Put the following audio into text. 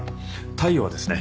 大陽はですね